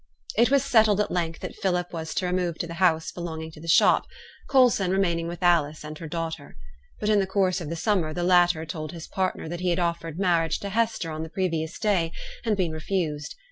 It was settled at length that Philip was to remove to the house belonging to the shop, Coulson remaining with Alice and her daughter. But in the course of the summer the latter told his partner that he had offered marriage to Hester on the previous day, and been refused.